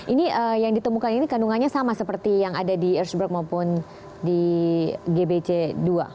ini yang ditemukan ini kandungannya sama seperti yang ada di earthburg maupun di gbc dua